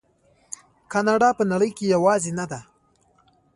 کاناډا په نړۍ کې یوازې نه ده.